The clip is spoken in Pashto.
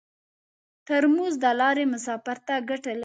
ترموز د لارې مسافر ته ګټه لري.